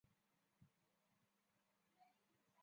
可以去寻找另一个地方